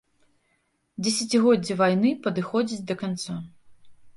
Дзесяцігоддзе вайны падыходзіць да канца.